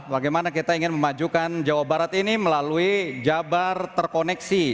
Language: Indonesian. bagaimana kita ingin memajukan jawa barat ini melalui jabar terkoneksi